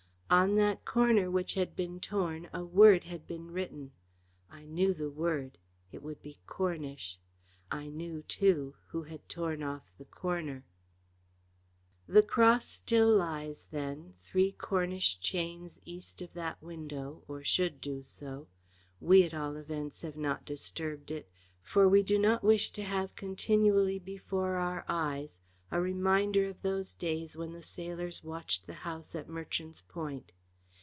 On that corner which had been torn a word had been written. I knew the word. It would be "Cornish." I knew, too, who had torn off the corner. The cross still lies then three Cornish chains east of that window, or should do so. We at all events have not disturbed it, for we do not wish to have continually before our eyes a reminder of those days when the sailors watched the house at Merchant's Point.